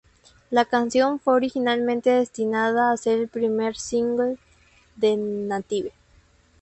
La canción fue originalmente destinada a ser el primer single de "Native".